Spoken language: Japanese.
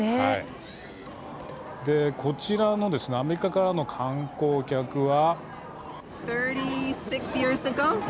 こちらアメリカからの観光客は。